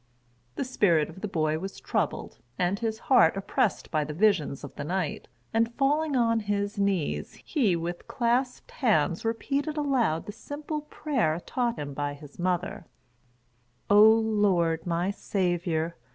The spirit of the boy was troubled, and his heart oppressed by the visions of the night; and falling on his knees, he with clasped hands repeated aloud the simple prayer taught him by his mother: "O Lord, my Saviour!